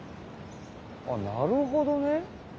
あっなるほどね。